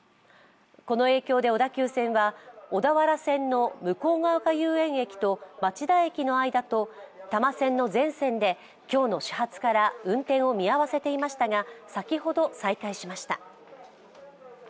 この影響で小田急線は小田原線の向ヶ丘遊園駅と町田駅の間と多摩線の全線で今日の始発から運転を見合わせていましたが、先ほど、再開しました。